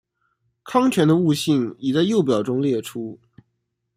糠醛的物性已在右表中列出。